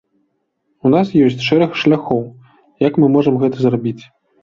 У нас ёсць шэраг шляхоў, як мы можам гэта зрабіць.